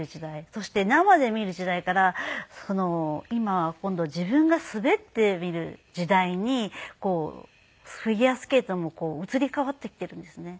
そして生で見る時代から今は今度自分が滑ってみる時代にこうフィギュアスケートも移り変わってきているんですね。